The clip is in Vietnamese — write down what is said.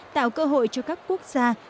tạo cơ hội cho các quốc gia